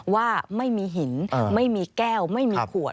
ว่าไม่มีหินไม่มีแก้วไม่มีขวด